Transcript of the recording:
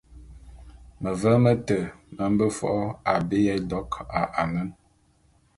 Meveň mete me mbe fo’o abé ya édok a anen.